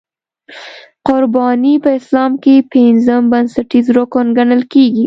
قرباني په اسلام کې پنځم بنسټیز رکن ګڼل کېږي.